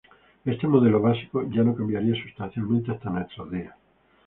Este modelo básico ya no cambiaría sustancialmente hasta nuestros días.